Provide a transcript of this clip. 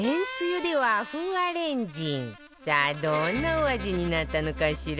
さあどんなお味になったのかしら？